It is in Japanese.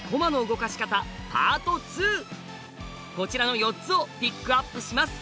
こちらの４つをピックアップします！